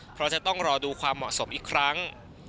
เพราะจะต้องรอดูความเหมาะสมอีกครั้ง